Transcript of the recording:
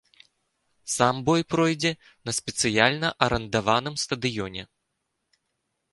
Сам бой пройдзе на спецыяльна арандаваным стадыёне.